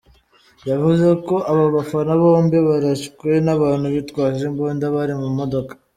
Yavuze ko aba bafana bombi barashwe n’abantu bitwaje imbunda bari mu modoka.